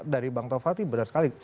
dari bang taufati benar sekali